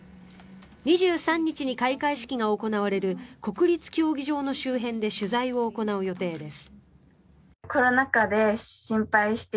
２３日に開会式が行われる国立競技場の周辺で取材を行う予定です。